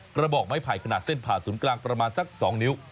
กระบอกไม้ไผ่ขนาดเส้นผ่าศูนย์กลางประมาณสัก๒นิ้ว